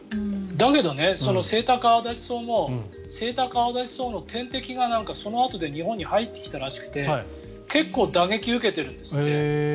だけどセイタカアワダチソウもセイタカアワダチソウの天敵が、そのあとで日本に入ってきたらしくて結構打撃を受けているんですって。